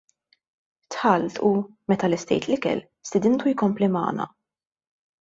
Dħalt u, meta lestejt l-ikel, stidintu jkompli magħna.